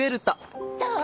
どう？